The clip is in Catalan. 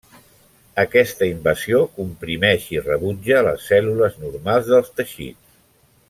Aquesta invasió comprimeix i rebutja les cèl·lules normals dels teixits.